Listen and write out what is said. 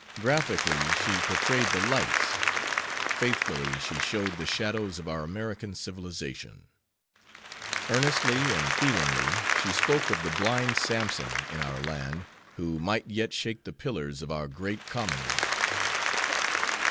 Graphically she portrayed the lights, faithfully she showed the shadows of our American civilization. Earnestly and feelingly she spoke of the blind Sampson in our land, who might yet shake the pillars of our great Commonwealth.